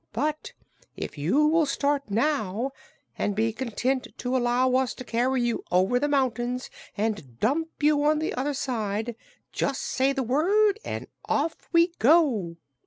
But if you will start now, and be content to allow us to carry you over the mountains and dump you on the other side, just say the word and off we go!"